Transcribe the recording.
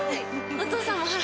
お父さんもほら！